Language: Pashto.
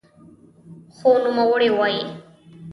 خو نوموړی وايي